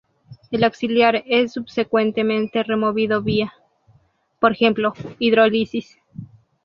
El auxiliar es subsecuentemente removido vía, por ejemplo, hidrólisis.